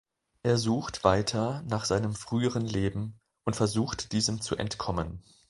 Er sucht weiter nach seinem früheren Leben und versucht diesem zu entkommen.